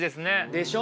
でしょ？